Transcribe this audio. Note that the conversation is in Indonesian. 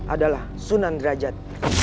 adalah sunan derajat